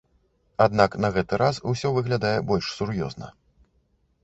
Аднак на гэты раз усё выглядае больш сур'ёзна.